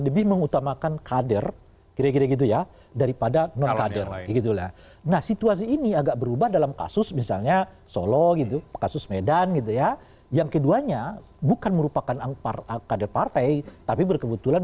jadi maksud anda bahwa